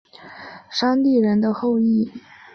山地人的后裔。